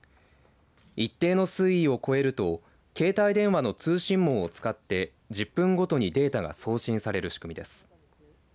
一定の水位を超えると携帯電話の通信網を使って１０分ごとにデータが送信される仕組みです。